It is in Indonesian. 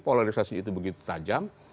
polarisasi itu begitu tajam